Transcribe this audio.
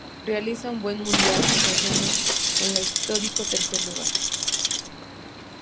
Realiza un buen Mundial, alcanzando con la un histórico tercer lugar.